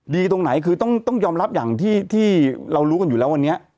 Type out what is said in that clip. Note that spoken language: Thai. ตรงไหนคือต้องยอมรับอย่างที่เรารู้กันอยู่แล้ววันนี้